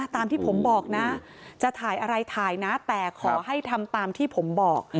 ตามที่ผมบอกนะจะถ่ายอะไรถ่ายนะแต่ขอให้ทำตามที่ผมบอก